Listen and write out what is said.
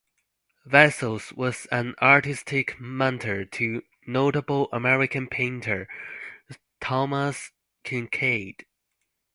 Wessels was an artistic mentor to notable American painter Thomas Kinkade.